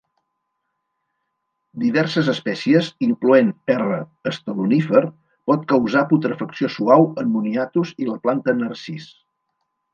Diverses espècies, incloent "R. estolonífer", pot causar putrefacció suau en moniatos i la planta "Narcís".